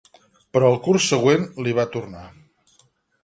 Però al curs següent li va tornar.